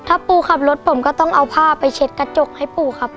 ถ้าปูขับรถผมก็ต้องเอาผ้าไปเช็ดกระจกให้ปูครับ